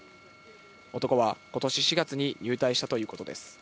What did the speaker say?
男はことし４月に入隊したということです。